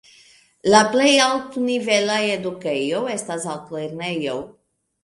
La plej altnivela edukejo estas altlernejo.